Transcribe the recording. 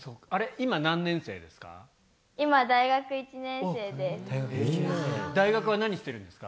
今、何年生ですか？